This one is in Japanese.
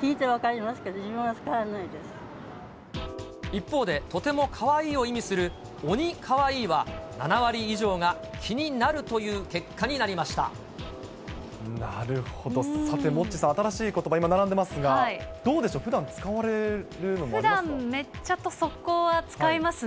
聞いて分かりますけど、一方で、とてもかわいいを意味する鬼かわいいは、７割以上が気になるといなるほど、さてモッチーさん、新しいことば、今並んでますが、どうでしょう、ふだん、使われるふだん、めっちゃとそっこうは使いますね。